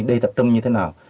đi tập trung như thế nào